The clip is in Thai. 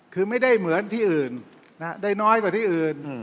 คือไม่ได้เหมือนที่อื่นได้น้อยกว่าที่อื่น